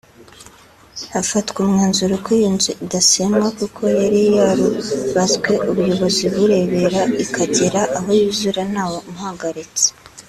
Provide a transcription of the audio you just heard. hafatwa umwanzuro ko iyo nzu idasenywa kuko yari yarubatswe ubuyobozi burebera ikagera aho yuzura ntawe umuhagaritse